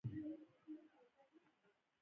زه له ډوډۍ ضایع کولو څخه ډډه کوم.